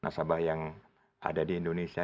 nasabah yang ada di indonesia